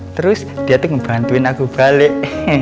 terus dia tuh ngebantuin aku balik